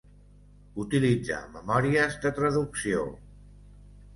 Utilitzar memòries de traducció.